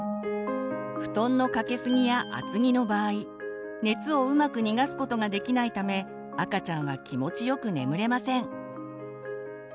布団のかけすぎや厚着の場合熱をうまく逃がすことができないため赤ちゃんは気持ちよく眠れません。